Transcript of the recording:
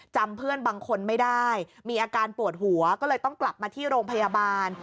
เพื่อนบางคนไม่ได้มีอาการปวดหัวก็เลยต้องกลับมาที่โรงพยาบาล